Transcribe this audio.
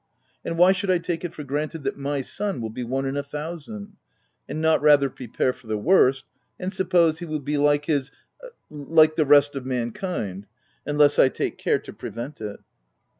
And why should I take it for granted that my son will be one in a thousand ?— and not rather prepare for the worst, and suppose he will be like his like the rest of mankind, unless I take care to prevent it